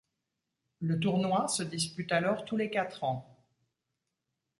Le tournoi se dispute alors tous les quatre ans.